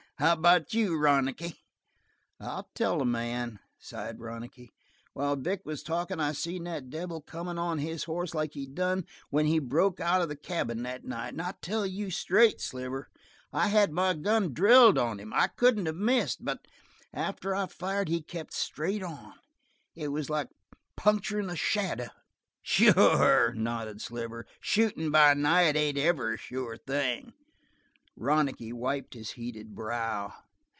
How about you, Ronicky?" "I'll tell a man," sighed Ronicky. "While Vic was talkin' I seen that devil comin' on his hoss like he done when he broke out of the cabin that night. I'll tell you straight, Sliver. I had my gun drilled on him. I couldn't of missed; but after I fired he kept straight on. It was like puncturin' a shadow!" "Sure," nodded Sliver. "Shootin' by night ain't ever a sure thing." Ronicky wiped his heated brow.